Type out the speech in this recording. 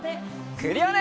クリオネ！